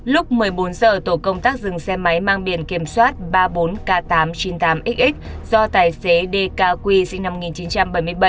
lúc một mươi bốn h tổ công tác dừng xe máy mang biển kiểm soát ba mươi bốn k tám trăm chín mươi tám x do tài xế dk quy sinh năm một nghìn chín trăm bảy mươi bảy